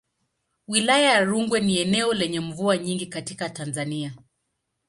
Wilaya ya Rungwe ni eneo lenye mvua nyingi katika Tanzania.